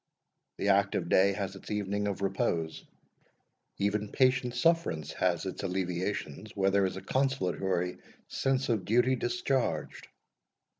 The active day has its evening of repose; even patient sufferance has its alleviations, where there is a consolatory sense of duty discharged."